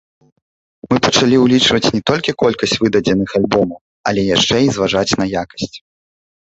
Мы пачалі ўлічваць не толькі колькасць выдадзеных альбомаў, але яшчэ і зважаць на якасць.